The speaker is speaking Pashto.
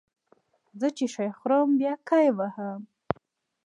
زه چې شی خورم بیا کای وهم